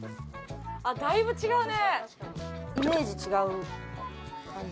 あっだいぶ違うね。